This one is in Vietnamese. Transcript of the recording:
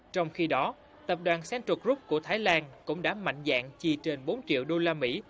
trong khi đó tập đoàn central group của thái lan cũng đã mạnh dạng chi trên bốn triệu đô la mỹ